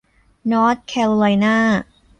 นอร์ทแคโรไลนา